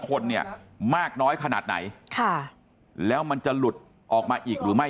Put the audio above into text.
คนเนี่ยมากน้อยขนาดไหนค่ะแล้วมันจะหลุดออกมาอีกหรือไม่